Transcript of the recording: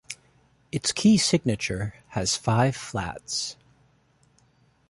Its key signature has five flats.